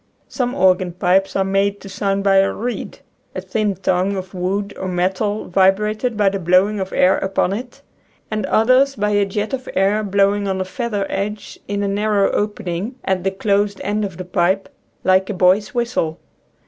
Some organ pipes are made to sound by a reed — a thin tongue of wood or metal vibrated by the blowing of air upon it — and others by a jet of air blowing on a feather edge in a nar row opening at the closed end of the pipe, like a boy's whistle.